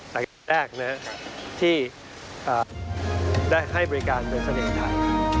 สายการแรกที่ได้ให้บริการเป็นเสน่ห์ไทย